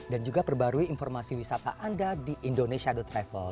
dan juga perbarui informasi wisata anda di indonesia travel